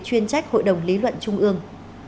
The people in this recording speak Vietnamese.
chuyên trách hội đồng lý luận trung ương